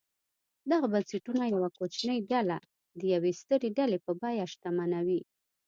دغه بنسټونه یوه کوچنۍ ډله د یوې سترې ډلې په بیه شتمنوي.